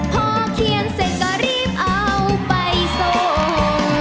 พอเขียนเสร็จก็รีบเอาไปส่ง